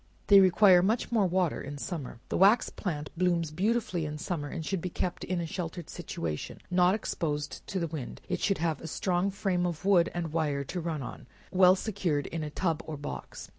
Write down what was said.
They require much more water in summer. The wax plant blooms beautifully in summer, and should be kept in a sheltered situation, not exposed to the wind; it should have a strong frame of wood and wire to run on, well secured in a tub or box.